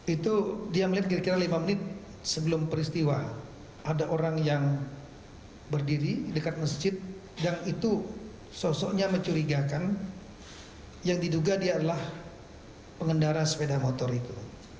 itu dia melihat kira kira lima menit sebelum peristiwa ada orang yang berdiri dekat masjid dan itu sosoknya mencurigakan yang diduga dia adalah pengendara sepeda motor itu